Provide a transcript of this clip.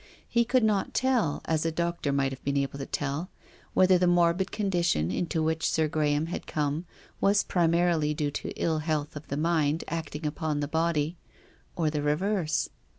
He could not tell, as a doctor might have been able to tell, whether the morbid condition into which Sir Graham had come was primarily due to ill health of the mind acting upon the body or the reverse.